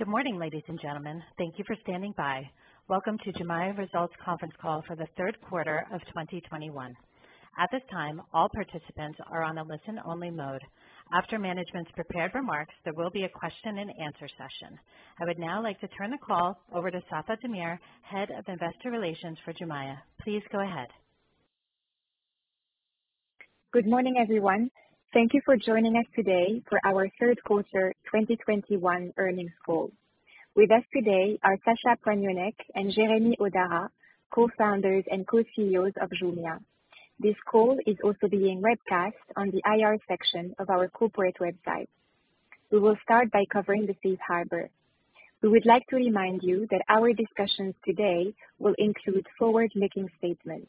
Good morning, ladies and gentlemen. Thank you for standing by. Welcome to Jumia Results Conference Call for the third quarter of 2021. At this time, all participants are on a listen-only mode. After management's prepared remarks, there will be a question-and-answer session. I would now like to turn the call over to Safae Damir, Head of Investor Relations for Jumia. Please go ahead. Good morning, everyone. Thank you for joining us today for our third quarter 2021 earnings call. With us today are Sacha Poignonnec and Jeremy Hodara, Co-Founders and Co-CEOs of Jumia. This call is also being webcast on the IR section of our corporate website. We will start by covering the safe harbor. We would like to remind you that our discussions today will include forward-looking statements.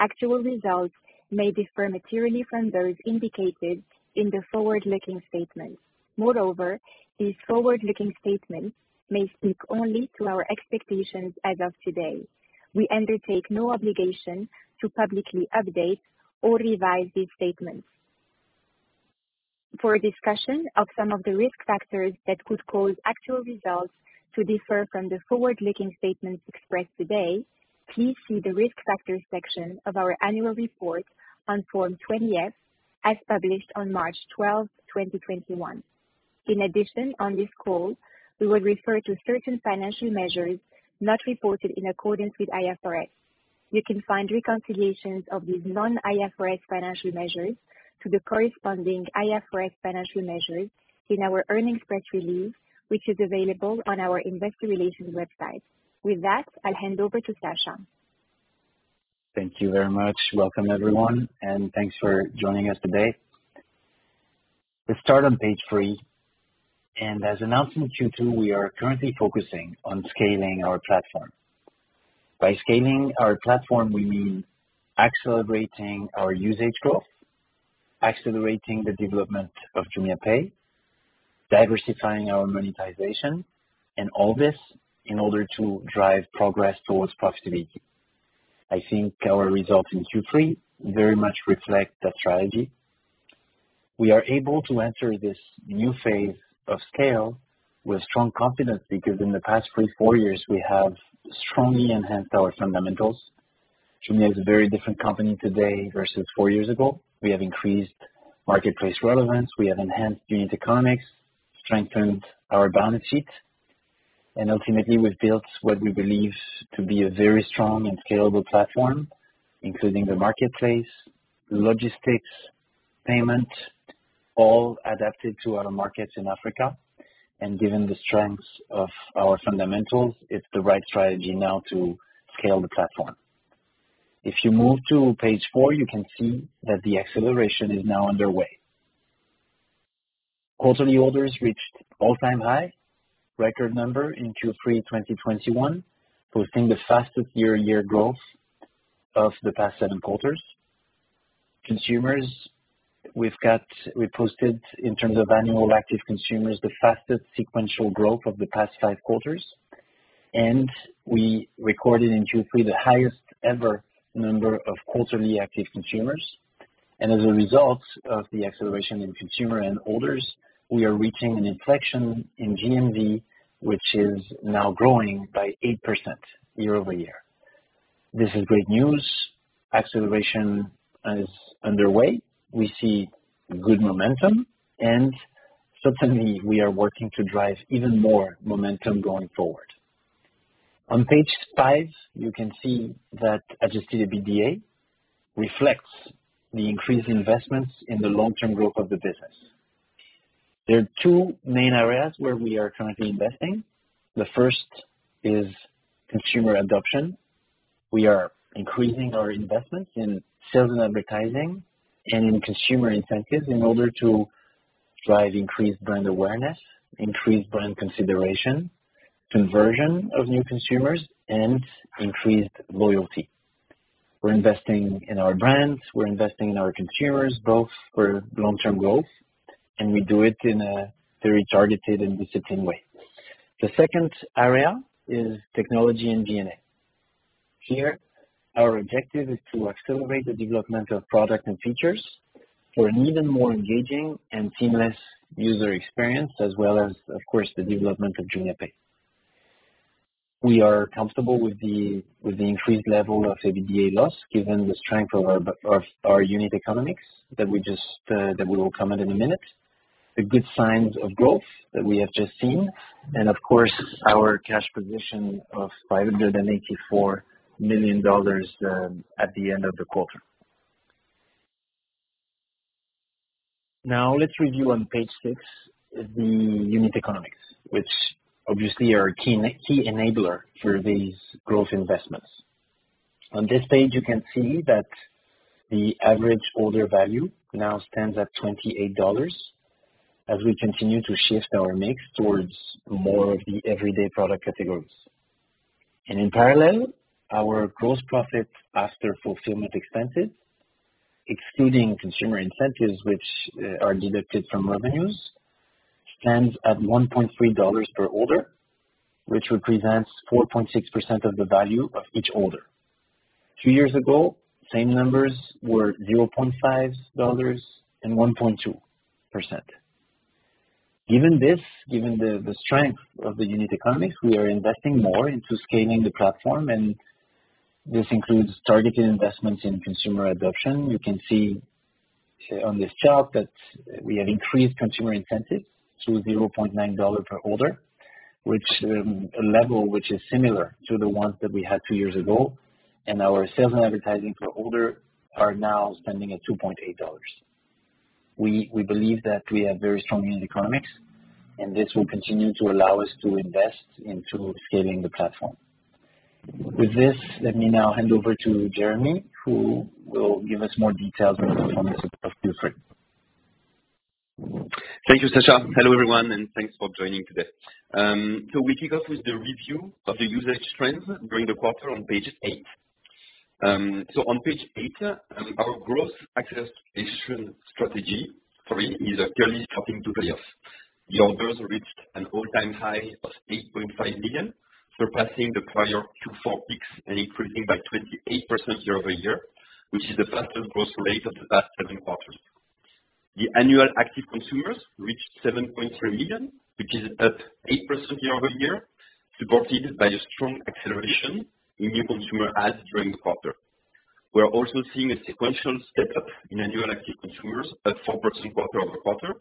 Actual results may differ materially from those indicated in the forward-looking statements. Moreover, these forward-looking statements may speak only to our expectations as of today. We undertake no obligation to publicly update or revise these statements. For a discussion of some of the risk factors that could cause actual results to differ from the forward-looking statements expressed today, please see the Risk Factors section of our annual report on Form 20-F, as published on March 12, 2021. In addition, on this call, we will refer to certain financial measures not reported in accordance with IFRS. You can find reconciliations of these non-IFRS financial measures to the corresponding IFRS financial measures in our earnings press release, which is available on our investor relations website. With that, I'll hand over to Sacha. Thank you very much. Welcome, everyone, and thanks for joining us today. Let's start on page 3. As announced in Q2, we are currently focusing on scaling our platform. By scaling our platform, we mean accelerating our usage growth, accelerating the development of JumiaPay, diversifying our monetization, and all this in order to drive progress towards profitability. I think our results in Q3 very much reflect that strategy. We are able to enter this new phase of scale with strong confidence, because in the past three, four years, we have strongly enhanced our fundamentals. Jumia is a very different company today versus four years ago. We have increased marketplace relevance, we have enhanced unit economics, strengthened our balance sheet, and ultimately, we've built what we believe to be a very strong and scalable platform, including the marketplace, logistics, payment, all adapted to our markets in Africa. Given the strength of our fundamentals, it's the right strategy now to scale the platform. If you move to page 4, you can see that the acceleration is now underway. Quarterly orders reached all-time high, record number in Q3 2021, posting the fastest year-over-year growth of the past seven quarters. Consumers, we posted in terms of annual active consumers, the fastest sequential growth of the past five quarters. We recorded in Q3 the highest ever number of quarterly active consumers. As a result of the acceleration in consumer and orders, we are reaching an inflection in GMV, which is now growing by 8% year-over-year. This is great news. Acceleration is underway. We see good momentum, and certainly we are working to drive even more momentum going forward. On page 5, you can see that adjusted EBITDA reflects the increased investments in the long-term growth of the business. There are two main areas where we are currently investing. The first is consumer adoption. We are increasing our investments in sales and advertising and in consumer incentives in order to drive increased brand awareness, increased brand consideration, conversion of new consumers, and increased loyalty. We're investing in our brands, we're investing in our consumers, both for long-term growth, and we do it in a very targeted and disciplined way. The second area is Technology and Content. Here, our objective is to accelerate the development of product and features for an even more engaging and seamless user experience as well as, of course, the development of JumiaPay. We are comfortable with the increased level of EBITDA loss, given the strength of our unit economics that we will comment in a minute. The good signs of growth that we have just seen, and of course, our cash position of $584 million at the end of the quarter. Now, let's review on page 6 the unit economics, which obviously are a key enabler for these growth investments. On this page, you can see that the average order value now stands at $28 as we continue to shift our mix towards more of the everyday product categories. In parallel, our gross profit after fulfillment expenses, excluding consumer incentives, which are deducted from revenues, stands at $1.3 per order, which represents 4.6% of the value of each order. Two years ago, same numbers were $0.5 and 1.2%. Given this, given the strength of the unit economics, we are investing more into scaling the platform, and this includes targeted investments in consumer adoption. You can see on this chart that we have increased consumer incentives to $0.9 per order, which a level which is similar to the ones that we had two years ago, and our sales and advertising per order are now spending at $2.8. We believe that we have very strong unit economics, and this will continue to allow us to invest into scaling the platform. With this, let me now hand over to Jeremy, who will give us more details on the performance of Q3. Thank you, Sacha. Hello, everyone, and thanks for joining today. We kick off with the review of the usage trends during the quarter on page 8. On page 8, our growth acceleration strategy is clearly starting to pay off. The orders reached an all-time high of 8.5 million, surpassing the prior two quarters and increasing by 28% year-over-year, which is the fastest growth rate of the past seven quarters. The annual active consumers reached 7.3 million, which is up 8% year-over-year, supported by a strong acceleration in new consumer adds during the quarter. We are also seeing a sequential step up in annual active consumers at 4% quarter-over-quarter,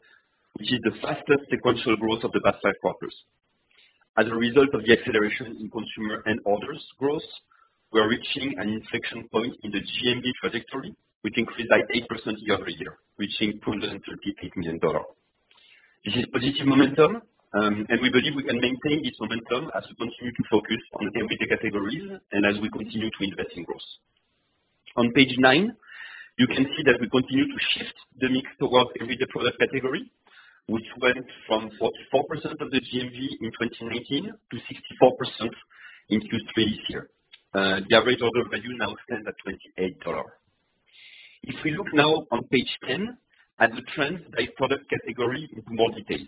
which is the fastest sequential growth of the past five quarters. As a result of the acceleration in consumer and orders growth, we are reaching an inflection point in the GMV trajectory, which increased by 8% year-over-year, reaching $238 million. This is positive momentum, and we believe we can maintain this momentum as we continue to focus on everyday categories and as we continue to invest in growth. On page 9, you can see that we continue to shift the mix towards everyday product category, which went from 44% of the GMV in 2019 to 64% in Q3 this year. The average order value now stands at $28. If we look now on page 10 at the trends by product category with more details.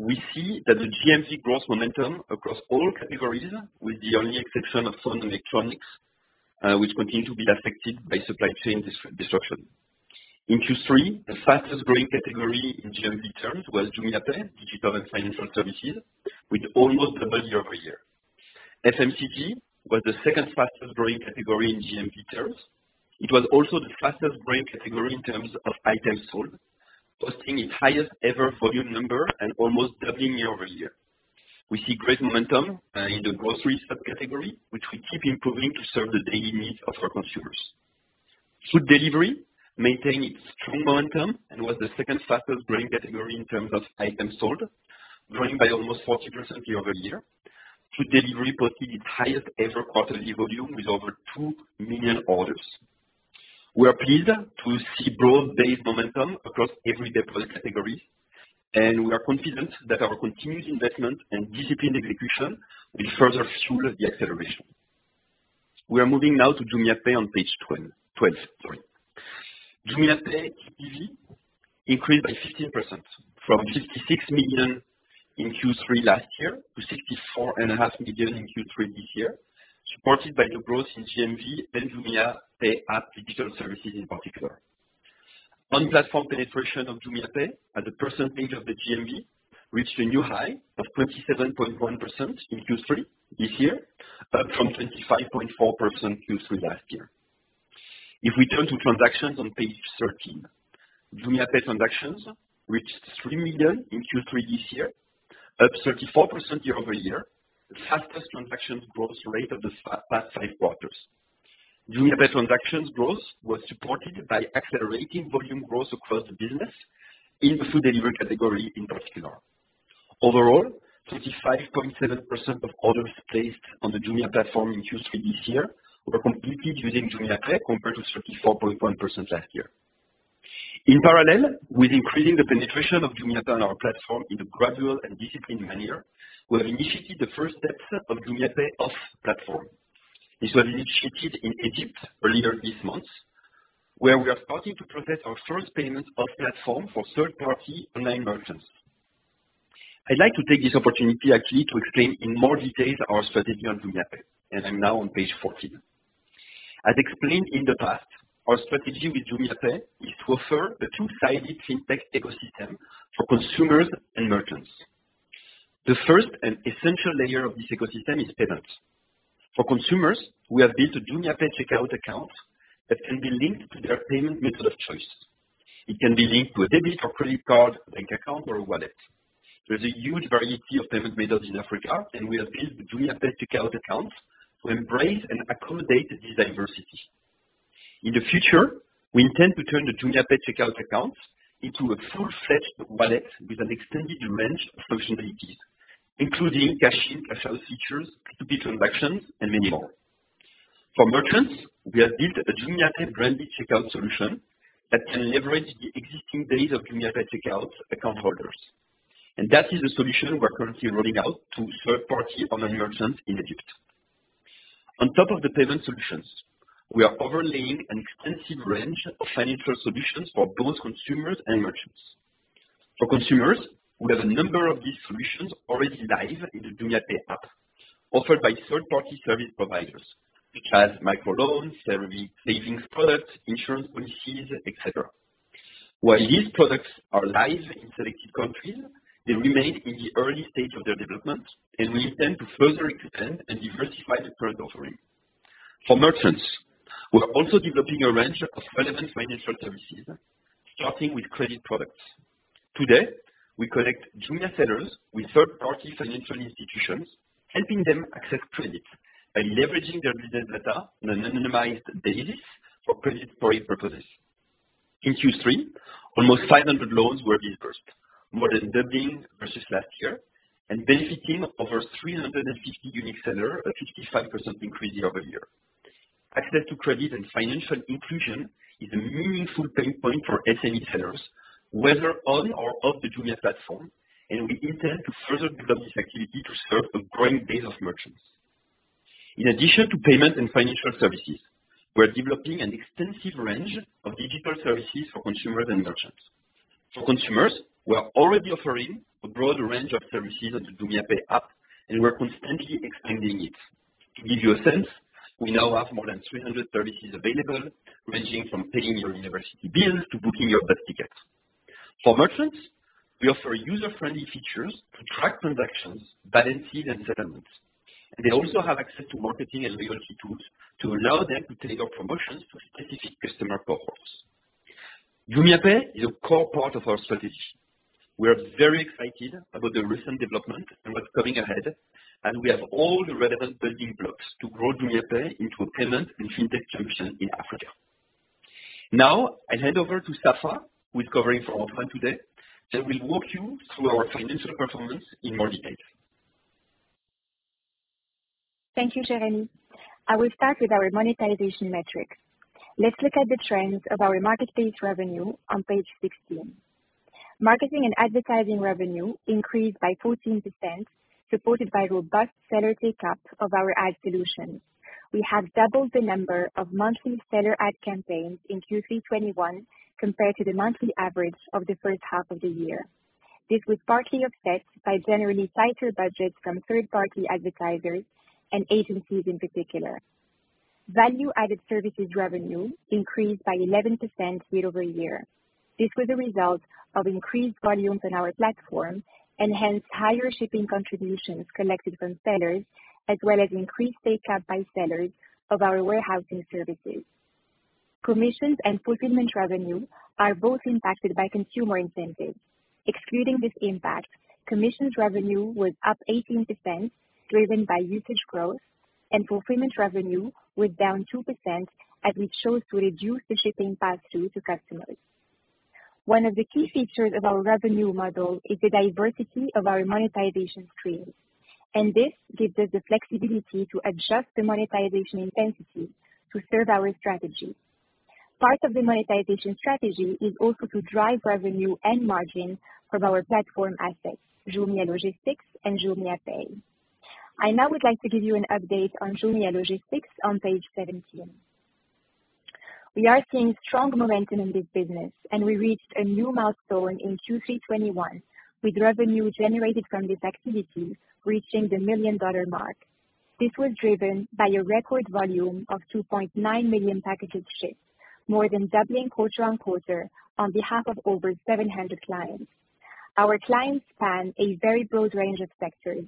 We see that the GMV growth momentum across all categories, with the only exception of phone and electronics, which continue to be affected by supply chain disruption. In Q3, the fastest-growing category in GMV terms was JumiaPay, digital and financial services, with almost double year-over-year. FMCG was the second fastest growing category in GMV terms. It was also the fastest growing category in terms of items sold, posting its highest ever volume number and almost doubling year-over-year. We see great momentum in the grocery subcategory, which we keep improving to serve the daily needs of our consumers. Food delivery maintained its strong momentum and was the second fastest growing category in terms of items sold, growing by almost 40% year-over-year. Food delivery posted its highest ever quarterly volume with over 2 million orders. We are pleased to see broad-based momentum across everyday product categories, and we are confident that our continued investment and disciplined execution will further fuel the acceleration. We are moving now to JumiaPay on page 12, sorry. JumiaPay GPV increased by 15% from 56 million in Q3 last year to 64.5 million in Q3 this year, supported by the growth in GMV and JumiaPay app digital services in particular. On-platform penetration of JumiaPay as a percentage of the GMV reached a new high of 27.1% in Q3 this year, up from 25.4% Q3 last year. If we turn to transactions on page 13, JumiaPay transactions reached 3 million in Q3 this year, up 34% year-over-year, the fastest transaction growth rate of the past five quarters. JumiaPay transactions growth was supported by accelerating volume growth across the business in the food delivery category in particular. Overall, 35.7% of orders placed on the Jumia platform in Q3 this year were completed using JumiaPay compared to 34.1% last year. In parallel with increasing the penetration of JumiaPay on our platform in a gradual and disciplined manner, we have initiated the first steps of JumiaPay off platform. This was initiated in Egypt earlier this month, where we are starting to process our first payment off platform for third-party online merchants. I'd like to take this opportunity actually to explain in more details our strategy on JumiaPay, and I'm now on page 14. As explained in the past, our strategy with JumiaPay is to offer a two-sided FinTech ecosystem for consumers and merchants. The first and essential layer of this ecosystem is payments. For consumers, we have built a JumiaPay checkout account that can be linked to their payment method of choice. It can be linked to a debit or credit card, bank account or a wallet. There's a huge variety of payment methods in Africa, and we have built the JumiaPay checkout account to embrace and accommodate this diversity. In the future, we intend to turn the JumiaPay checkout account into a full-fledged wallet with an extended range of functionalities, including cash in, cash out features, P2P transactions, and many more. For merchants, we have built a JumiaPay branded checkout solution that can leverage the existing base of JumiaPay checkout account holders. That is the solution we're currently rolling out to third-party online merchants in Egypt. On top of the payment solutions, we are overlaying an extensive range of financial solutions for both consumers and merchants. For consumers, we have a number of these solutions already live in the JumiaPay app offered by third-party service providers, such as microloans, savings products, insurance policies, et cetera. While these products are live in selected countries, they remain in the early stage of their development, and we intend to further expand and diversify the product offering. For merchants, we are also developing a range of relevant financial services, starting with credit products. Today, we connect Jumia sellers with third-party financial institutions, helping them access credit by leveraging their business data on an anonymized basis for credit scoring purposes. In Q3, almost 500 loans were disbursed, more than doubling versus last year and benefiting over 350 unique sellers, a 55% increase year-over-year. Access to credit and financial inclusion is a meaningful pain point for SME sellers, whether on or off the Jumia platform, and we intend to further develop this activity to serve a growing base of merchants. In addition to payment and financial services, we're developing an extensive range of digital services for consumers and merchants. For consumers, we are already offering a broad range of services on the JumiaPay app, and we're constantly expanding it. To give you a sense, we now have more than 300 services available, ranging from paying your university bills to booking your bus tickets. For merchants, we offer user-friendly features to track transactions, balances, and settlements. They also have access to marketing and loyalty tools to allow them to tailor promotions to specific customer profiles. JumiaPay is a core part of our strategy. We are very excited about the recent development and what's coming ahead, and we have all the relevant building blocks to grow JumiaPay into a payment and fintech champion in Africa. Now I'll hand over to Safae, who is covering for Antoine today, and will walk you through our financial performance in more detail. Thank you, Jeremy. I will start with our monetization metrics. Let's look at the trends of our marketplace revenue on page 16. Marketing and advertising revenue increased by 14%, supported by robust seller take-up of our ad solutions. We have doubled the number of monthly seller ad campaigns in Q3 2021 compared to the monthly average of the first half of the year. This was partly offset by generally tighter budgets from third-party advertisers and agencies in particular. Value-added services revenue increased by 11% year-over-year. This was a result of increased volumes on our platform and hence higher shipping contributions collected from sellers, as well as increased take-up by sellers of our warehousing services. Commissions and fulfillment revenue are both impacted by consumer incentives. Excluding this impact, commissions revenue was up 18%, driven by usage growth, and fulfillment revenue was down 2% as we chose to reduce the shipping pass-through to customers. One of the key features of our revenue model is the diversity of our monetization streams, and this gives us the flexibility to adjust the monetization intensity to serve our strategy. Part of the monetization strategy is also to drive revenue and margin from our platform assets, Jumia Logistics and JumiaPay. I now would like to give you an update on Jumia Logistics on page 17. We are seeing strong momentum in this business, and we reached a new milestone in Q3 2021, with revenue generated from this activity reaching the $1 million mark. This was driven by a record volume of 2.9 million packages shipped, more than doubling quarter-over-quarter on behalf of over 700 clients. Our clients span a very broad range of sectors,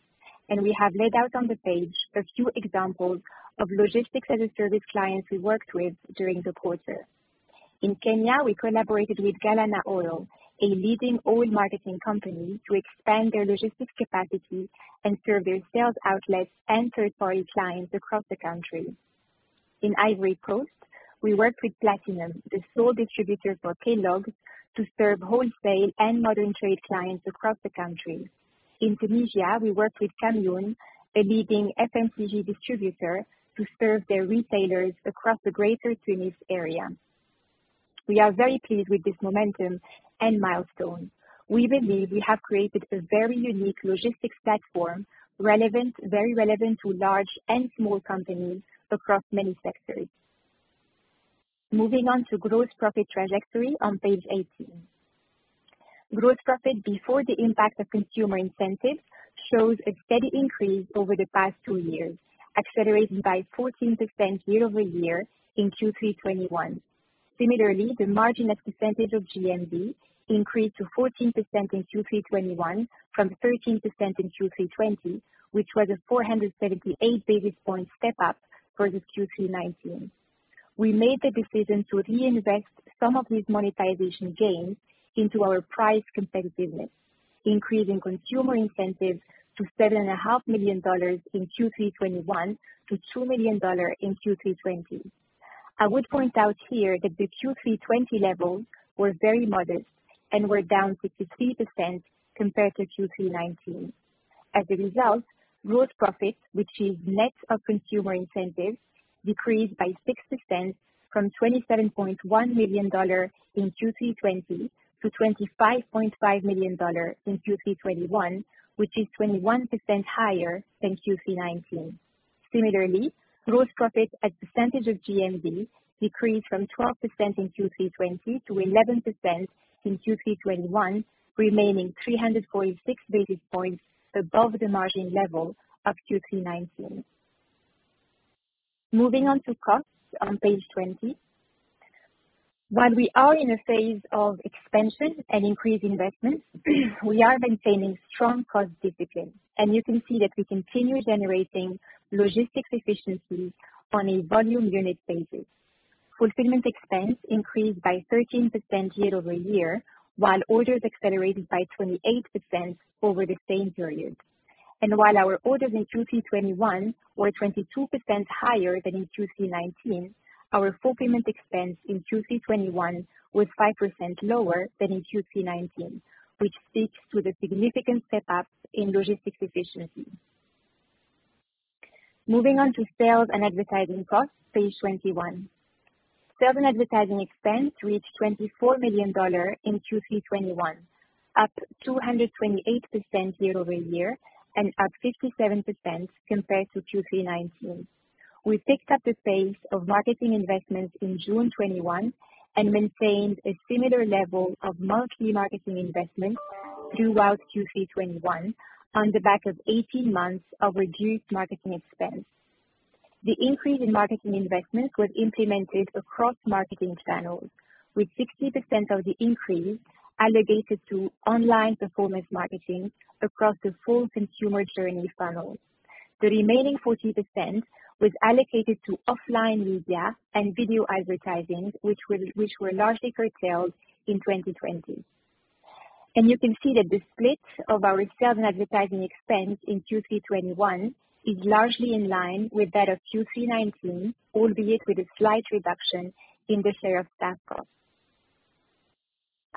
and we have laid out on the page a few examples of logistics-as-a-service clients we worked with during the quarter. In Kenya, we collaborated with Galana Oil, a leading oil marketing company, to expand their logistics capacity and serve their sales outlets and third-party clients across the country. In Ivory Coast, we worked with Platinum, the sole distributor for Kellogg's, to serve wholesale and modern trade clients across the country. In Tunisia, we worked with Kamioun, a leading FMCG distributor, to serve their retailers across the greater Tunis area. We are very pleased with this momentum and milestone. We believe we have created a very unique logistics platform, relevant, very relevant to large and small companies across many sectors. Moving on to gross profit trajectory on page 18. Gross profit before the impact of consumer incentives shows a steady increase over the past two years, accelerating by 14% year-over-year in Q3 2021. Similarly, the margin as a percentage of GMV increased to 14% in Q3 2021 from 13% in Q3 2020, which was a 478 basis point step up versus Q3 2019. We made the decision to reinvest some of these monetization gains into our price competitiveness, increasing consumer incentives to $7.5 million in Q3 2021 to $2 million in Q3 2020. I would point out here that the Q3 2020 levels were very modest and were down 50% compared to Q3 2019. As a result, gross profit, which is net of consumer incentives, decreased by 6% from $27.1 million in Q3 2020 to $25.5 million in Q3 2021, which is 21% higher than Q3 2019. Similarly, gross profit as percentage of GMV decreased from 12% in Q3 2020 to 11% in Q3 2021, remaining 300.6 basis points above the margin level of Q3 2019. Moving on to costs on page 20. While we are in a phase of expansion and increased investments, we are maintaining strong cost discipline, and you can see that we continue generating logistics efficiencies on a volume unit basis. Fulfillment expense increased by 13% year-over-year, while orders accelerated by 28% over the same period. While our orders in Q3 2021 were 22% higher than in Q3 2019, our fulfillment expense in Q3 2021 was 5% lower than in Q3 2019, which speaks to the significant step-ups in logistics efficiency. Moving on to sales and advertising costs, page 21. Sales and advertising expense reached $24 million in Q3 2021, up 228% year-over-year and up 57% compared to Q3 2019. We picked up the pace of marketing investments in June 2021 and maintained a similar level of monthly marketing investments throughout Q3 2021 on the back of 18 months of reduced marketing expense. The increase in marketing investments was implemented across marketing channels, with 60% of the increase allocated to online performance marketing across the full consumer journey funnel. The remaining 40% was allocated to offline media and video advertising, which were largely curtailed in 2020. You can see that the split of our sales and advertising expense in Q3 2021 is largely in line with that of Q3 2019, albeit with a slight reduction in the share of offline.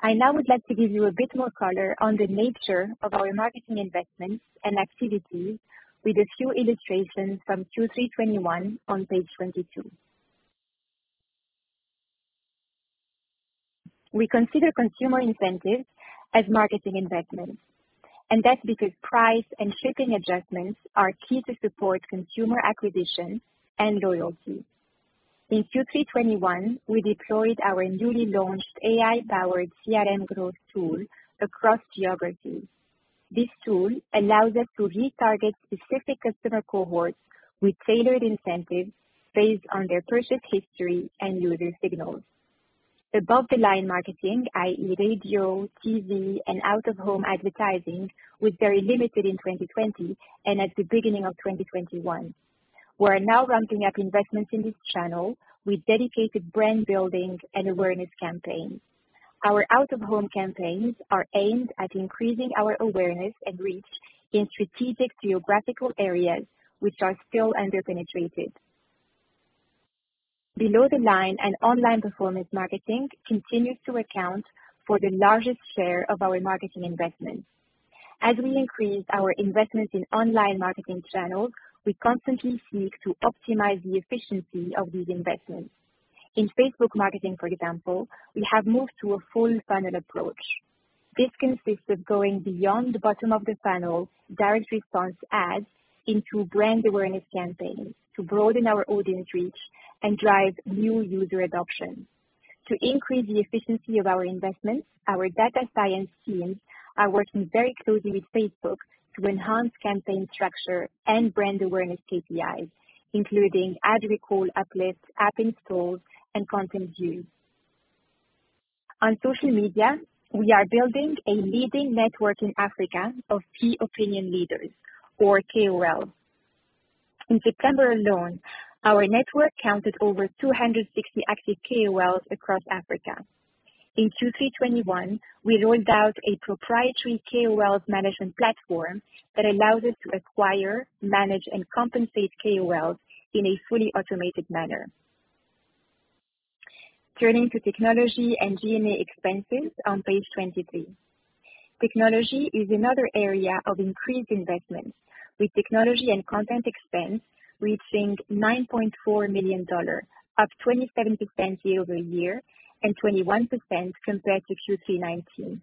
I now would like to give you a bit more color on the nature of our marketing investments and activities with a few illustrations from Q3 2021 on page 22. We consider consumer incentives as marketing investments, and that's because price and shipping adjustments are key to support consumer acquisition and loyalty. In Q3 2021, we deployed our newly launched AI-powered CRM growth tool across geographies. This tool allows us to re-target specific customer cohorts with tailored incentives based on their purchase history and user signals. Above the line marketing, i.e. Radio, TV, and out-of-home advertising was very limited in 2020 and at the beginning of 2021. We are now ramping up investments in this channel with dedicated brand building and awareness campaigns. Our out-of-home campaigns are aimed at increasing our awareness and reach in strategic geographical areas which are still under-penetrated. Below the line and online performance marketing continues to account for the largest share of our marketing investments. As we increase our investments in online marketing channels, we constantly seek to optimize the efficiency of these investments. In Facebook marketing, for example, we have moved to a full funnel approach. This consists of going beyond the bottom of the funnel direct response ads into brand awareness campaigns to broaden our audience reach and drive new user adoption. To increase the efficiency of our investments, our data science teams are working very closely with Facebook to enhance campaign structure and brand awareness KPIs, including ad recall, uplifts, app installs, and content views. On social media, we are building a leading network in Africa of key opinion leaders or KOLs. In September alone, our network counted over 260 active KOLs across Africa. In Q3 2021, we rolled out a proprietary KOL management platform that allows us to acquire, manage, and compensate KOLs in a fully automated manner. Turning to technology and G&A expenses on page 23. Technology is another area of increased investments, with Technology and Content expense reaching $9.4 million, up 27% year-over-year and 21% compared to Q3 2019.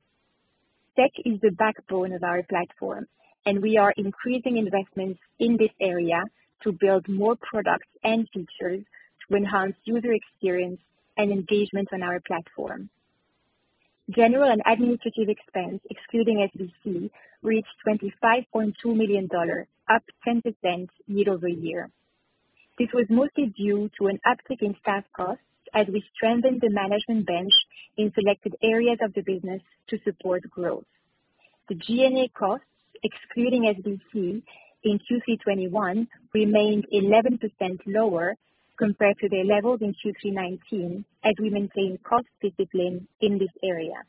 Tech is the backbone of our platform, and we are increasing investments in this area to build more products and features to enhance user experience and engagement on our platform. General and administrative expense, excluding SBC, reached $25.2 million, up 10% year-over-year. This was mostly due to an uptick in staff costs as we strengthened the management bench in selected areas of the business to support growth. The G&A costs, excluding SBC, in Q3 2021 remained 11% lower compared to their levels in Q3 2019 as we maintain cost discipline in this area.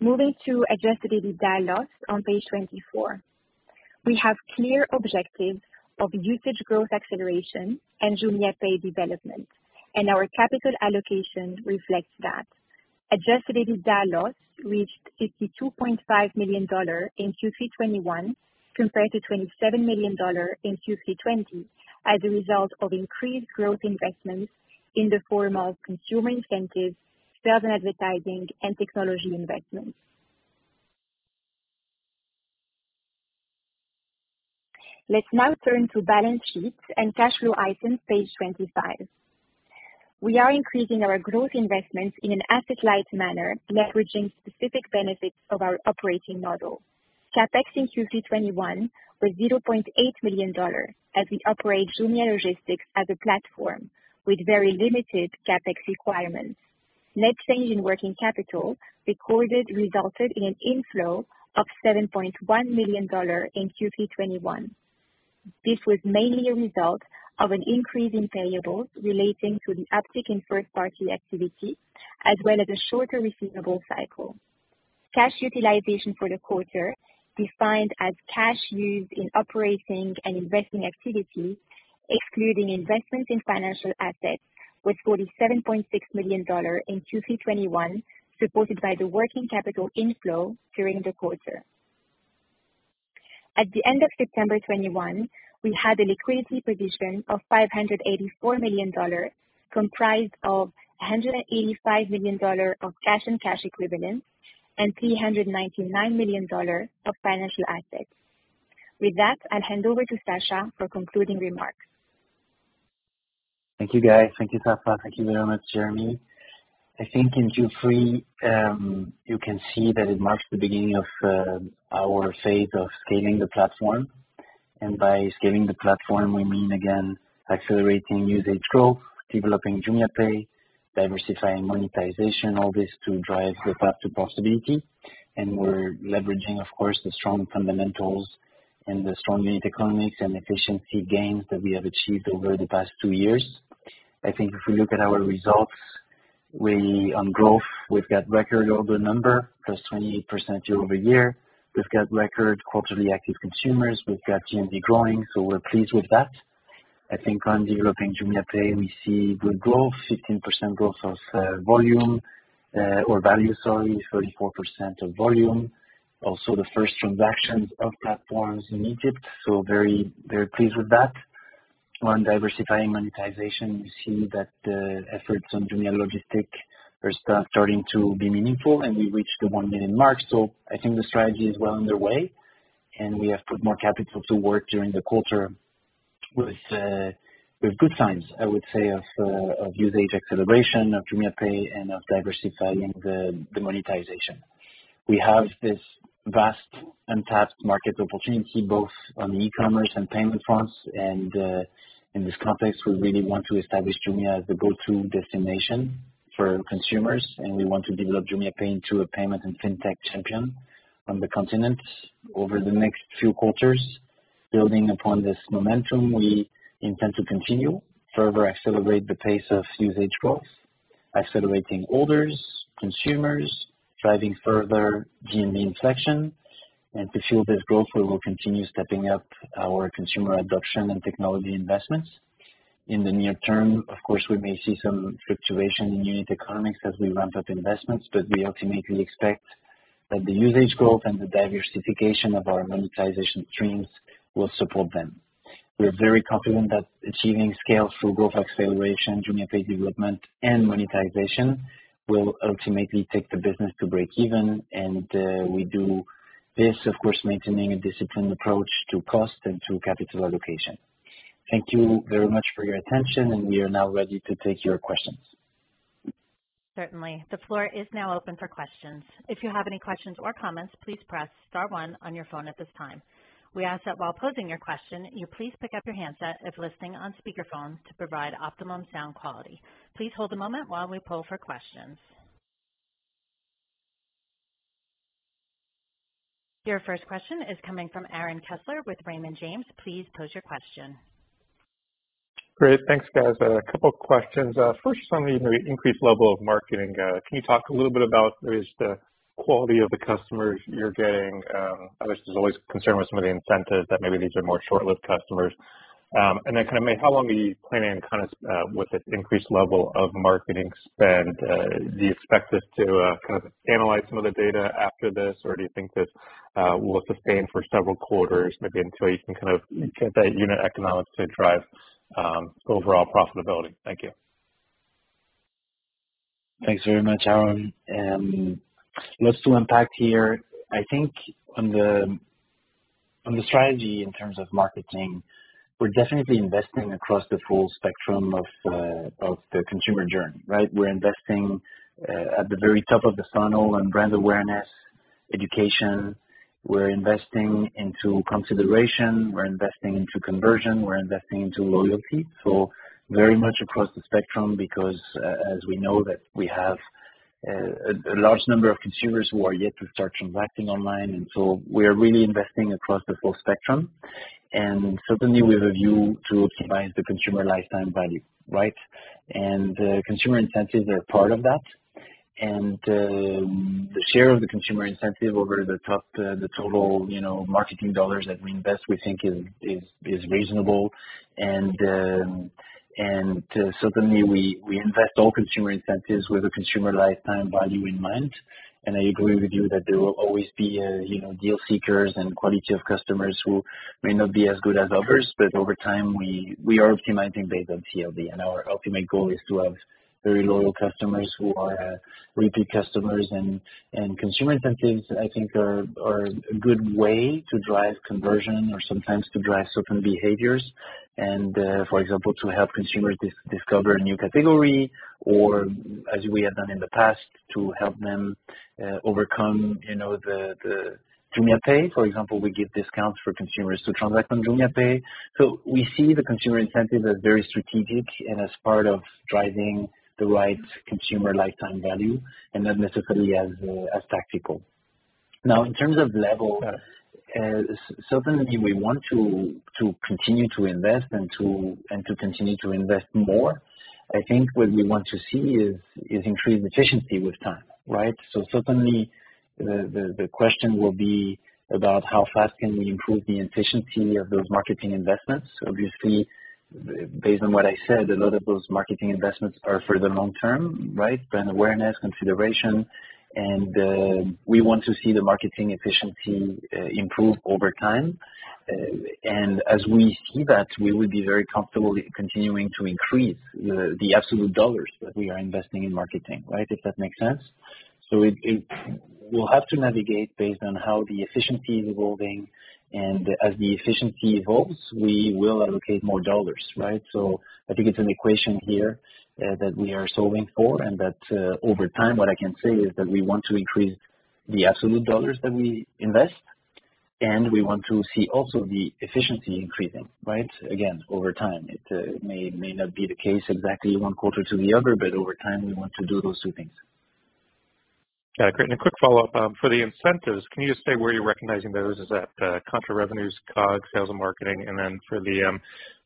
Moving to adjusted EBITDA loss on page 24. We have clear objectives of usage growth acceleration and JumiaPay development, and our capital allocation reflects that. Adjusted EBITDA loss reached $52.5 million in Q3 2021 compared to $27 million in Q3 2020 as a result of increased growth investments in the form of consumer incentives, sales and advertising, and technology investments. Let's now turn to balance sheet and cash flow items, page 25. We are increasing our growth investments in an asset-light manner, leveraging specific benefits of our operating model. CapEx in Q3 2021 was $0.8 million as we operate Jumia Logistics as a platform with very limited CapEx requirements. Net change in working capital recorded resulted in an inflow of $7.1 million in Q3 2021. This was mainly a result of an increase in payables relating to the uptick in first party activity, as well as a shorter receivable cycle. Cash utilization for the quarter defined as cash used in operating and investing activity, excluding investments in financial assets, was $47.6 million in Q3 2021, supported by the working capital inflow during the quarter. At the end of September 2021, we had a liquidity position of $584 million, comprised of $185 million of cash and cash equivalents and $399 million of financial assets. With that, I'll hand over to Sacha for concluding remarks. Thank you, guys. Thank you, Safae. Thank you very much, Jeremy. I think in Q3, you can see that it marks the beginning of our phase of scaling the platform. By scaling the platform, we mean, again, accelerating usage growth, developing JumiaPay, diversifying monetization, all this to drive the path to possibility. We're leveraging, of course, the strong fundamentals and the strong unit economics and efficiency gains that we have achieved over the past two years. I think if we look at our results, on growth, we've got record order number, +28% year-over-year. We've got record quarterly active consumers. We've got GMV growing, so we're pleased with that. I think on developing JumiaPay, we see good growth, 15% growth of volume or value, sorry, 44% of volume. Also the first transactions of platforms in Egypt, so very, very pleased with that. On diversifying monetization, we see that efforts on Jumia Logistics are starting to be meaningful, and we reached the 1 million mark. I think the strategy is well underway, and we have put more capital to work during the quarter with good signs, I would say, of usage acceleration of JumiaPay and of diversifying the monetization. We have this vast untapped market opportunity both on the e-commerce and payment fronts. In this context, we really want to establish Jumia as the go-to destination for consumers, and we want to develop JumiaPay into a payment and fintech champion on the continent. Over the next few quarters, building upon this momentum, we intend to continue, further accelerate the pace of usage growth, accelerating orders, consumers, driving further GMV inflection. To fuel this growth, we will continue stepping up our consumer adoption and technology investments. In the near term, of course, we may see some fluctuation in unit economics as we ramp up investments, but we ultimately expect that the usage growth and the diversification of our monetization streams will support them. We're very confident that achieving scale through growth acceleration, JumiaPay development and monetization will ultimately take the business to breakeven. We do this, of course, maintaining a disciplined approach to cost and to capital allocation. Thank you very much for your attention, and we are now ready to take your questions. Certainly. The floor is now open for questions. If you have any questions or comments, please press star one on your phone at this time. We ask that while posing your question, you please pick up your handset if listening on speakerphone to provide optimum sound quality. Please hold a moment while we poll for questions. Your first question is coming from Aaron Kessler with Raymond James. Please pose your question. Great. Thanks, guys. A couple of questions. First on the increased level of marketing. Can you talk a little bit about, is the quality of the customers you're getting? I guess there's always concern with some of the incentives that maybe these are more short-lived customers. And then kind of maybe how long are you planning kind of with this increased level of marketing spend? Do you expect us to kind of analyze some of the data after this? Or do you think this will sustain for several quarters maybe until you can kind of get that unit economics to drive overall profitability? Thank you. Thanks very much, Aaron. Lots to unpack here. I think on the strategy in terms of marketing, we're definitely investing across the full spectrum of the consumer journey, right? We're investing at the very top of the funnel on brand awareness, education. We're investing into consideration, we're investing into conversion, we're investing into loyalty. Very much across the spectrum because as we know that we have a large number of consumers who are yet to start transacting online. We're really investing across the full spectrum and certainly with a view to optimize the consumer lifetime value, right? Consumer incentives are part of that. The share of the consumer incentive over the top the total, you know, marketing dollars that we invest, we think is reasonable. Certainly we invest all consumer incentives with a consumer lifetime value in mind. I agree with you that there will always be, you know, deal seekers and quality of customers who may not be as good as others. Over time, we are optimizing based on CLV, and our ultimate goal is to have very loyal customers who are repeat customers and consumer incentives, I think, are a good way to drive conversion or sometimes to drive certain behaviors. For example, to help consumers discover a new category or as we have done in the past, to help them overcome, you know, the Jumia Pay. For example, we give discounts for consumers to transact on Jumia Pay. We see the consumer incentive as very strategic and as part of driving the right consumer lifetime value and not necessarily as tactical. Now, in terms of level, certainly we want to continue to invest more. I think what we want to see is increased efficiency with time, right? Certainly the question will be about how fast can we improve the efficiency of those marketing investments. Obviously, based on what I said, a lot of those marketing investments are for the long term, right? Brand awareness, consideration. We want to see the marketing efficiency improve over time. As we see that, we would be very comfortable continuing to increase the absolute dollars that we are investing in marketing, right? If that makes sense. We'll have to navigate based on how the efficiency is evolving. As the efficiency evolves, we will allocate more dollars, right? I think it's an equation here, that we are solving for and that, over time, what I can say is that we want to increase the absolute dollars that we invest, and we want to see also the efficiency increasing, right? Again, over time. It may not be the case exactly one quarter to the other, but over time we want to do those two things. Yeah. Great. A quick follow-up for the incentives, can you just say where you're recognizing those? Is that contra revenues, COGS, sales and marketing?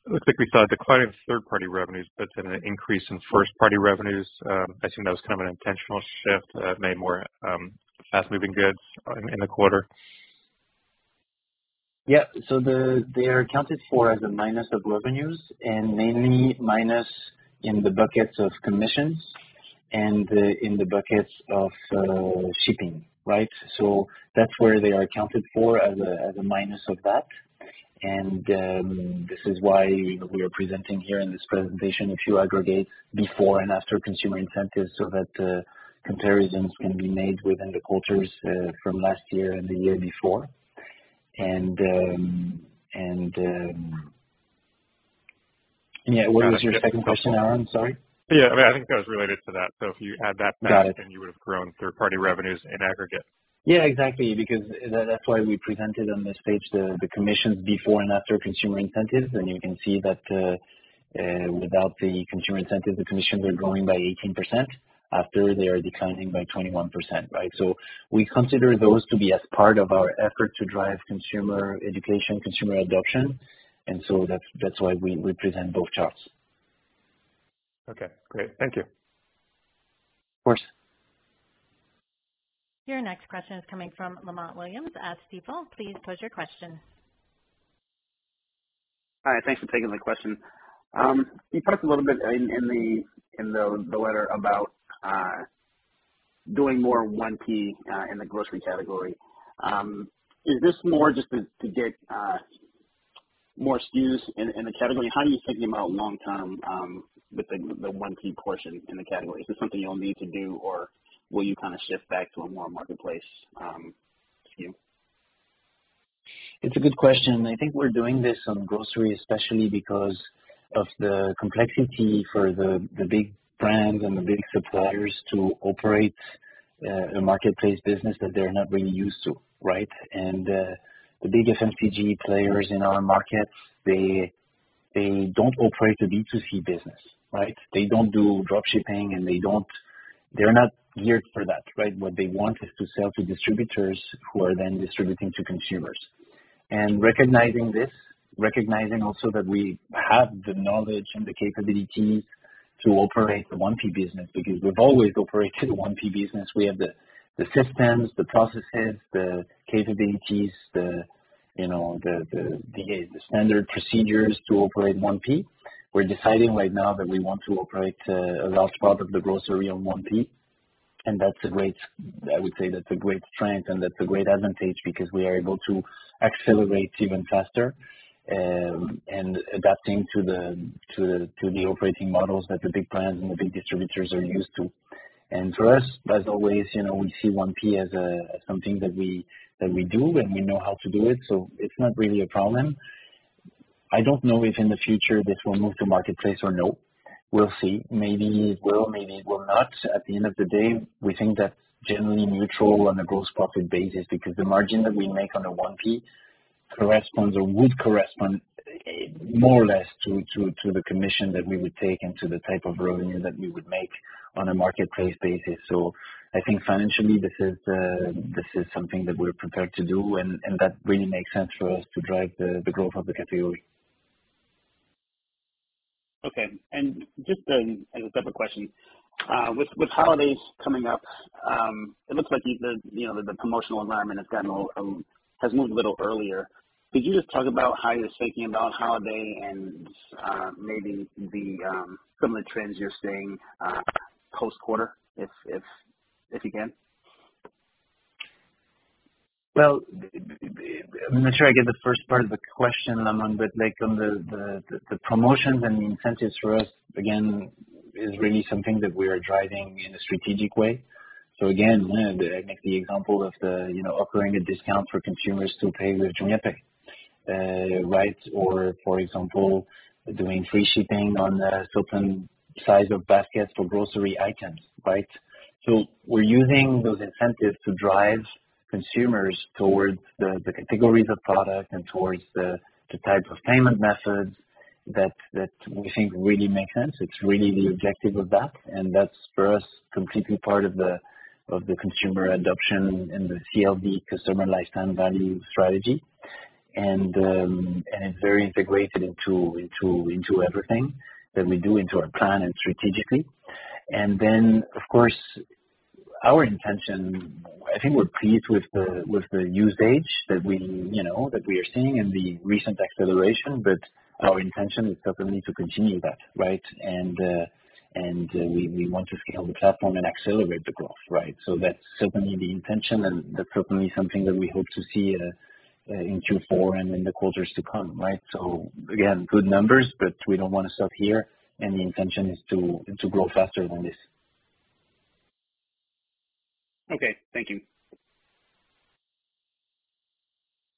It looks like we saw a decline in third-party revenues, but an increase in first-party revenues. I assume that was kind of an intentional shift, made more fast-moving goods in the quarter. Yeah. They are accounted for as a minus of revenues and mainly minus in the buckets of commissions and in the buckets of shipping, right? That's where they are accounted for as a minus of that. This is why we are presenting here in this presentation a few aggregates before and after consumer incentives, so that comparisons can be made within the quarters from last year and the year before. Yeah. What was your second question, Aaron? Sorry. Yeah. I mean, I think that was related to that. If you add that back. Got it. You would have grown third-party revenues in aggregate. Yeah, exactly. Because that's why we presented on this page the commissions before and after consumer incentives. You can see that without the consumer incentive, the commissions are growing by 18%, after they are declining by 21%, right? We consider those to be as part of our effort to drive consumer education, consumer adoption, and that's why we present both charts. Okay, great. Thank you. Of course. Your next question is coming from Lamont Williams at Stifel. Please pose your question. Hi. Thanks for taking my question. You talked a little bit in the letter about doing more 1P in the grocery category. Is this more just to get more SKUs in the category? How do you think about long-term with the 1P portion in the category? Is this something you'll need to do or will you kind of shift back to a more marketplace SKU? It's a good question. I think we're doing this on grocery especially because of the complexity for the big brands and the big suppliers to operate a marketplace business that they're not really used to, right? The biggest FMCG players in our market, they don't operate a B2C business, right? They don't do drop shipping and they're not geared for that, right? What they want is to sell to distributors who are then distributing to consumers. Recognizing this, recognizing also that we have the knowledge and the capabilities to operate the 1P business, because we've always operated a 1P business. We have the systems, the processes, the capabilities, you know, the standard procedures to operate 1P. We're deciding right now that we want to operate a large part of the grocery on 1P, and that's a great. I would say that's a great strength and that's a great advantage because we are able to accelerate even faster and adapting to the operating models that the big brands and the big distributors are used to. For us, as always, you know, we see 1P as something that we do, and we know how to do it, so it's not really a problem. I don't know if in the future this will move to marketplace or no. We'll see. Maybe it will not. At the end of the day, we think that's generally neutral on a gross profit basis because the margin that we make on the 1P corresponds or would correspond more or less to the commission that we would take and to the type of revenue that we would make on a marketplace basis. I think financially this is something that we're prepared to do and that really makes sense for us to drive the growth of the category. Okay. Just, as a separate question With holidays coming up, it looks like the, you know, the promotional environment has gotten a little, has moved a little earlier. Could you just talk about how you're thinking about holiday and, maybe the, some of the trends you're seeing, post-quarter if you can? I'm not sure I get the first part of the question, Aman, but like, on the promotions and the incentives for us, again, is really something that we are driving in a strategic way. Again, you know, I think the example of you know, offering a discount for consumers to pay with JumiaPay, right? Or for example, doing free shipping on certain size of baskets for grocery items, right? We're using those incentives to drive consumers towards the categories of product and towards the types of payment methods that we think really make sense. It's really the objective of that, and that's for us completely part of the consumer adoption and the CLV, customer lifetime value strategy. It's very integrated into everything that we do, into our plan and strategically. Of course, our intention, I think we're pleased with the usage that we, you know, that we are seeing and the recent acceleration. Our intention is definitely to continue that, right? We want to scale the platform and accelerate the growth, right? That's certainly the intention, and that's definitely something that we hope to see in Q4 and in the quarters to come, right? Again, good numbers, but we don't wanna stop here, and the intention is to grow faster than this. Okay. Thank you.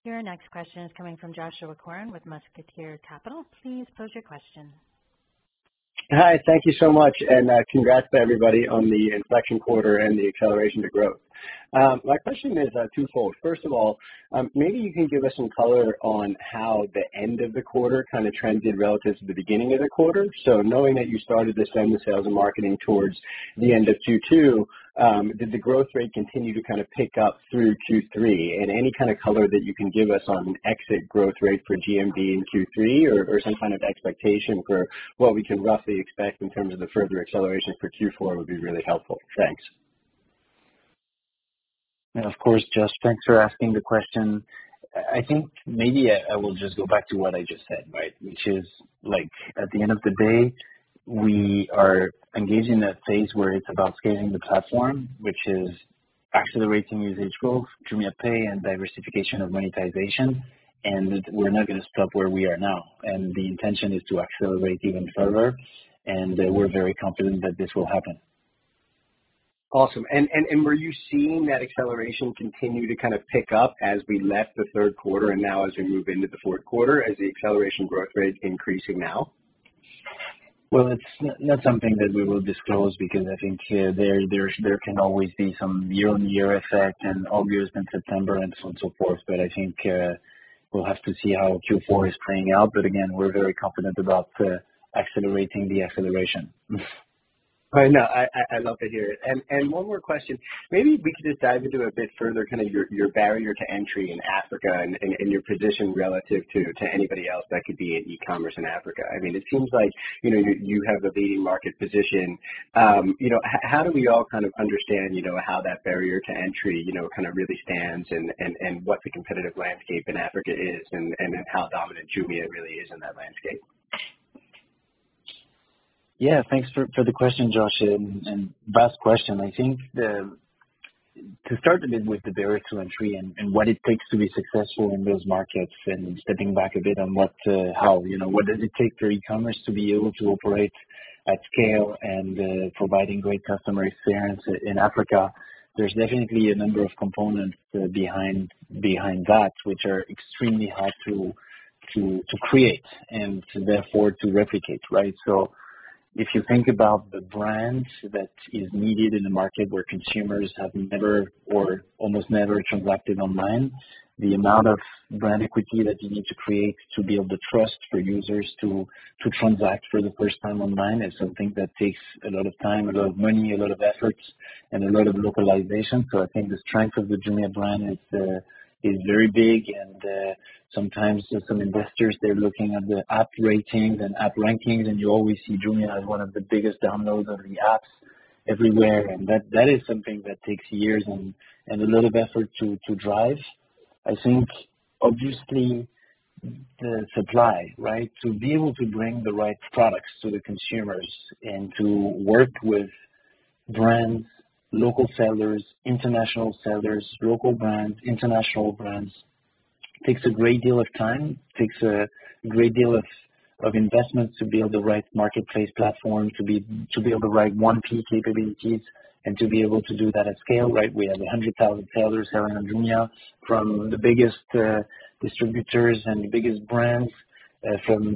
Your next question is coming from Joshua Corin with Musketeer Capital. Please pose your question. Hi. Thank you so much, and, congrats to everybody on the inflection quarter and the acceleration to growth. My question is, twofold. First of all, maybe you can give us some color on how the end of the quarter kind of trended relative to the beginning of the quarter. So knowing that you started to spend the sales and marketing towards the end of Q2, did the growth rate continue to kind of pick up through Q3? And any kind of color that you can give us on exit growth rate for GMV in Q3 or some kind of expectation for what we can roughly expect in terms of the further acceleration for Q4 would be really helpful. Thanks. Of course, Josh. Thanks for asking the question. I think maybe I will just go back to what I just said, right? Which is, like, at the end of the day, we are engaged in a phase where it's about scaling the platform, which is accelerating usage growth, JumiaPay and diversification of monetization, and we're not gonna stop where we are now. The intention is to accelerate even further, and we're very confident that this will happen. Awesome. Were you seeing that acceleration continue to kind of pick up as we left the third quarter and now as we move into the fourth quarter? Is the acceleration growth rate increasing now? Well, it's not something that we will disclose because I think there's there can always be some year-on-year effect in August and September and so on and so forth. I think we'll have to see how Q4 is playing out. Again, we're very confident about accelerating the acceleration. I know. I love to hear it. One more question. Maybe we could just dive into a bit further kind of your barrier to entry in Africa and your position relative to anybody else that could be in e-commerce in Africa. I mean, it seems like, you know, you have the leading market position. You know, how do we all kind of understand, you know, how that barrier to entry, you know, kind of really stands and what the competitive landscape in Africa is and how dominant Jumia really is in that landscape? Thanks for the question, Joshua, and vast question. To start a bit with the barrier to entry and what it takes to be successful in those markets and stepping back a bit on what, how, you know, what does it take for e-commerce to be able to operate at scale and providing great customer experience in Africa, there's definitely a number of components behind that which are extremely hard to create and therefore to replicate, right? If you think about the brand that is needed in a market where consumers have never or almost never transacted online, the amount of brand equity that you need to create to build the trust for users to transact for the first time online is something that takes a lot of time, a lot of money, a lot of efforts, and a lot of localization. I think the strength of the Jumia brand is very big. Sometimes some investors, they're looking at the app ratings and app rankings, and you always see Jumia as one of the biggest downloads of the apps everywhere. That is something that takes years and a lot of effort to drive. I think obviously the supply, right? To be able to bring the right products to the consumers and to work with brands, local sellers, international sellers, local brands, international brands, takes a great deal of time, investments to build the right marketplace platform, to build the right key capabilities and to be able to do that at scale, right? We have 100,000 sellers selling on Jumia from the biggest distributors and the biggest brands.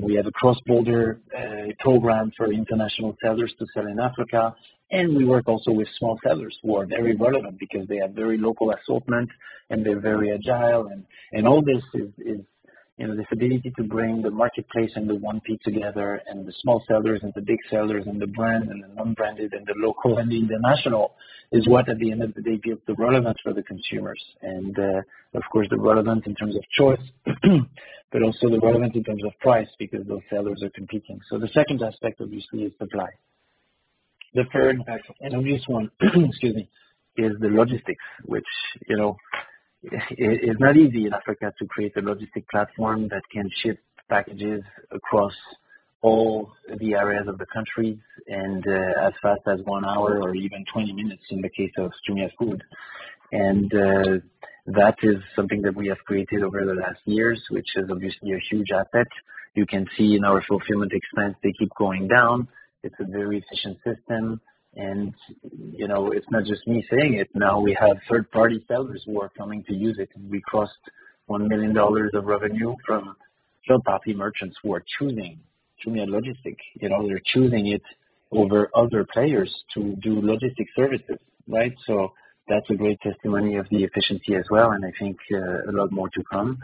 We have a cross-border program for international sellers to sell in Africa. We work also with small sellers who are very relevant because they have very local assortment, and they're very agile. All this is, you know, this ability to bring the marketplace and the 1P together and the small sellers and the big sellers and the brand and the non-branded and the local and the international is what at the end of the day gives the relevance for the consumers. Of course, the relevance in terms of choice, but also the relevance in terms of price because those sellers are competing. The second aspect obviously is supply. The third factor, an obvious one, excuse me, is the logistics, which, you know, it's not easy in Africa to create a logistics platform that can ship packages across all the areas of the country and as fast as one hour or even 20 minutes in the case of Jumia Food. That is something that we have created over the last years, which is obviously a huge asset. You can see in our fulfillment expense, they keep going down. It's a very efficient system. You know, it's not just me saying it, now we have third-party sellers who are coming to use it. We crossed $1 million of revenue from third-party merchants who are choosing Jumia Logistics. You know, they're choosing it over other players to do logistics services, right? That's a great testimony of the efficiency as well, and I think a lot more to come.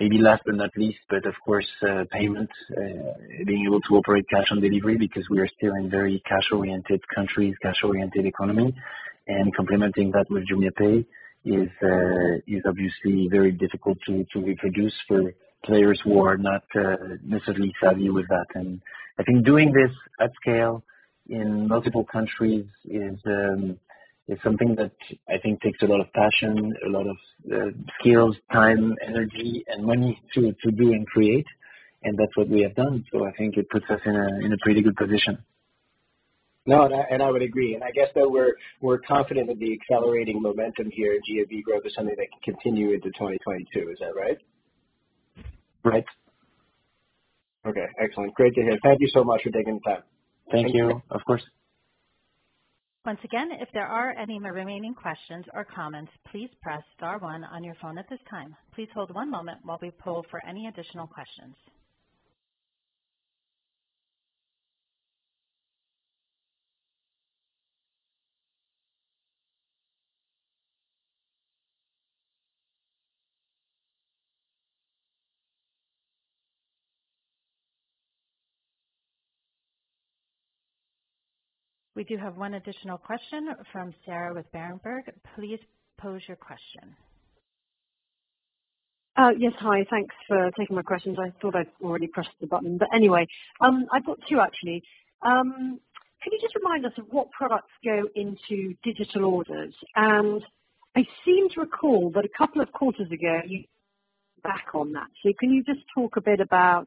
Maybe last but not least, but of course, payments, being able to operate cash on delivery because we are still in very cash-oriented countries, cash-oriented economy. Complementing that with JumiaPay is obviously very difficult to reproduce for players who are not necessarily savvy with that. I think doing this at scale in multiple countries is something that I think takes a lot of passion, a lot of skills, time, energy, and money to do and create, and that's what we have done. I think it puts us in a pretty good position. No, and I would agree. I guess that we're confident that the accelerating momentum here at GMV growth is something that can continue into 2022. Is that right? Right. Okay, excellent. Great to hear. Thank you so much for taking the time. Thank you. Of course. Once again, if there are any remaining questions or comments, please press star one on your phone at this time. Please hold one moment while we poll for any additional questions. We do have one additional question from Sarah with Berenberg. Please pose your question. Yes. Hi. Thanks for taking my questions. I thought I'd already pressed the button. Anyway. I've got two, actually. Can you just remind us of what products go into digital orders? I seem to recall that a couple of quarters ago, you walked back on that. Can you just talk a bit about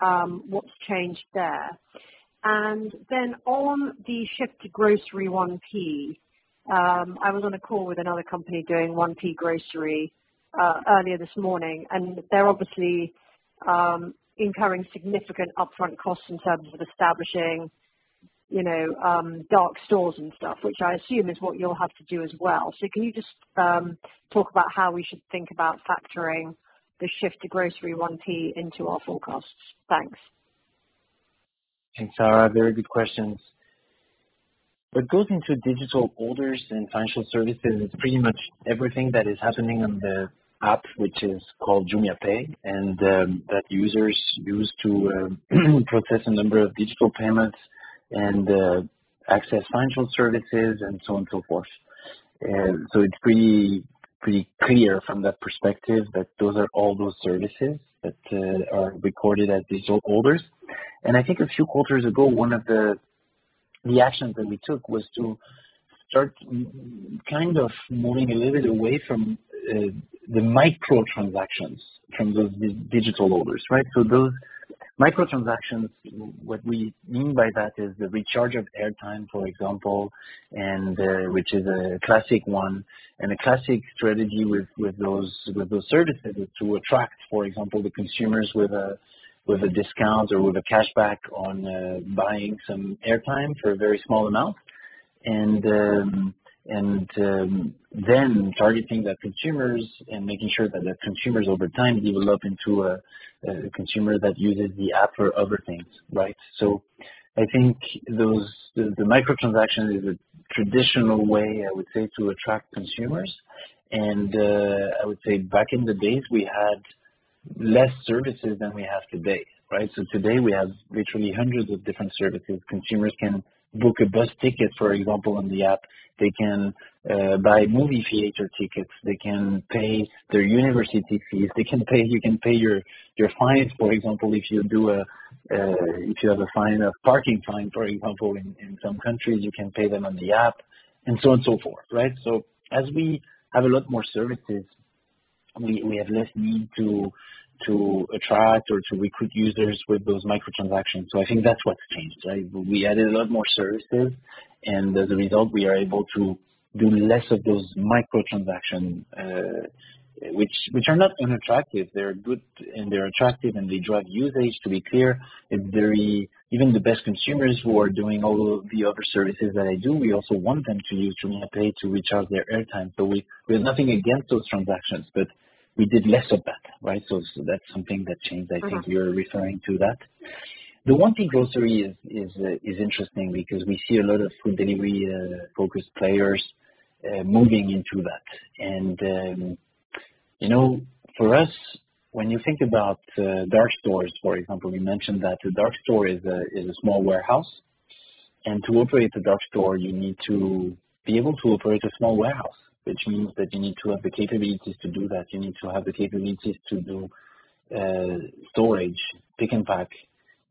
what's changed there? On the shift to grocery 1P, I was on a call with another company doing 1P grocery earlier this morning, and they're obviously incurring significant upfront costs in terms of establishing, you know, dark stores and stuff, which I assume is what you'll have to do as well. Can you just talk about how we should think about factoring the shift to grocery 1P into our forecasts? Thanks. Thanks, Sarah. Very good questions. What goes into digital orders and financial services is pretty much everything that is happening on the app, which is called JumiaPay, and that users use to process a number of digital payments and access financial services and so on and so forth. So it's pretty clear from that perspective that those are all those services that are recorded as digital orders. I think a few quarters ago, one of the reactions that we took was to start kind of moving a little bit away from the micro transactions from those digital orders, right? Those micro transactions, what we mean by that is the recharge of airtime, for example, and which is a classic one, and a classic strategy with those services is to attract, for example, the consumers with a discount or with a cashback on buying some airtime for a very small amount. Then targeting the consumers and making sure that the consumers over time develop into a consumer that uses the app for other things, right? I think the micro transaction is a traditional way, I would say, to attract consumers. I would say back in the days, we had less services than we have today, right? Today we have literally hundreds of different services. Consumers can book a bus ticket, for example, on the app. They can buy movie theater tickets. They can pay their university fees. You can pay your fines, for example, if you have a fine, a parking fine, for example, in some countries, you can pay them on the app and so on and so forth, right? As we have a lot more services, we have less need to attract or to recruit users with those micro transactions. I think that's what's changed, right? We added a lot more services, and as a result, we are able to do less of those micro transaction which are not unattractive. They're good and they're attractive, and they drive usage, to be clear. It's very... Even the best consumers who are doing all of the other services that I do, we also want them to use JumiaPay to recharge their airtime. We have nothing against those transactions, but we did less of that, right? That's something that changed. Got it. I think you're referring to that. The 1P grocery is interesting because we see a lot of food delivery focused players moving into that. You know, for us, when you think about dark stores, for example, we mentioned that a dark store is a small warehouse. To operate a dark store, you need to be able to operate a small warehouse, which means that you need to have the capabilities to do that. You need to have the capabilities to do storage, pick and pack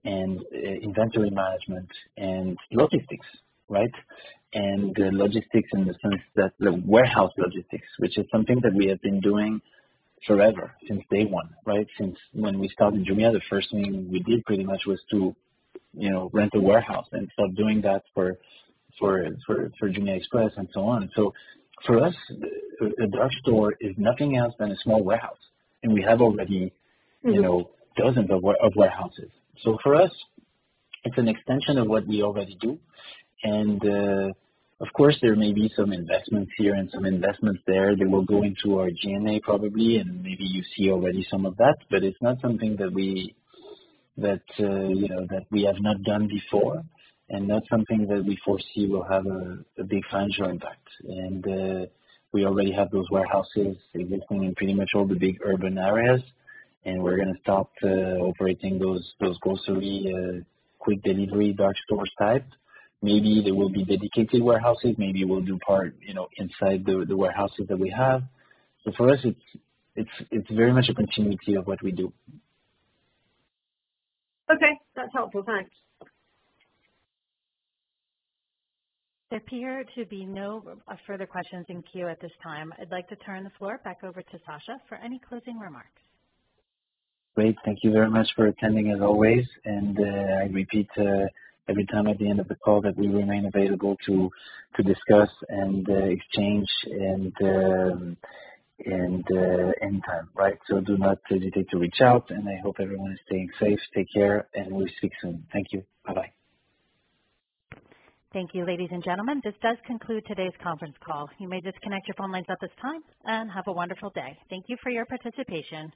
and inventory management and logistics, right? Logistics in the sense that the warehouse logistics, which is something that we have been doing forever, since day one, right? Since when we started Jumia, the first thing we did pretty much was to rent a warehouse and start doing that for Jumia Express and so on. For us, a dark store is nothing else than a small warehouse. We have already dozens of warehouses. For us, it's an extension of what we already do. Of course, there may be some investments here and some investments there that will go into our G&A probably, and maybe you see already some of that. It's not something that we have not done before. Not something that we foresee will have a big financial impact. We already have those warehouses existing in pretty much all the big urban areas. We're gonna start operating those grocery quick delivery dark stores type. Maybe they will be dedicated warehouses. Maybe we'll do part inside the warehouses that we have. It's very much a continuity of what we do. Okay, that's helpful. Thanks. There appear to be no further questions in queue at this time. I'd like to turn the floor back over to Sacha for any closing remarks. Great. Thank you very much for attending as always. I repeat every time at the end of the call that we remain available to discuss and exchange anytime, right? Do not hesitate to reach out, and I hope everyone is staying safe. Take care, and we'll speak soon. Thank you. Bye-bye. Thank you, ladies and gentlemen. This does conclude today's conference call. You may disconnect your phone lines at this time, and have a wonderful day. Thank you for your participation.